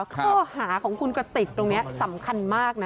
ข้อหาของคุณกระติกตรงนี้สำคัญมากนะ